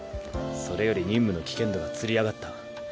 それより任務の危険度がつり上がった。